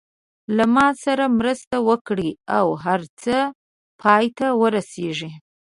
له ما سره مرسته وکړي او هر څه پای ته ورسېږي.